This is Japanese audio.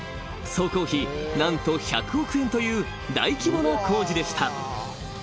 ［総工費何と１００億円という大規模な工事でした］